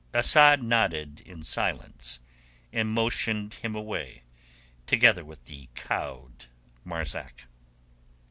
Asad nodded in silence, and motioned him away together with the cowed Marzak.